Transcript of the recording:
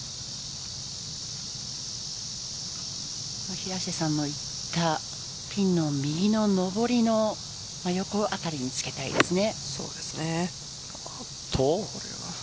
平瀬さんの言ったピンの右の上りの横辺りにつけたいですね。